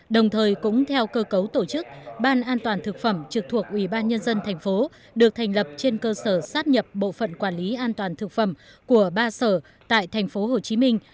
đồng thời cũng theo cơ cấu tổ chức ban an toàn thực phẩm trực thuộc ủy ban nhân dân thành phố được thành lập trên cơ sở sát nhập bộ phận quản lý an toàn thực phẩm của ba sở tại thành phố hồ chí minh